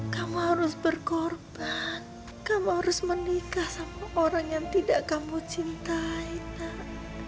kamu harus berkorban kamu harus menikah sama orang yang tidak kamu cintai